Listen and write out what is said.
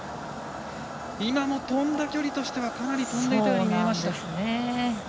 今の、跳んだ距離としてはかなり跳んでいたように見えましたが。